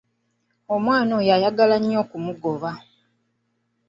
Omwana oyo ayagala nnyo okumugoba.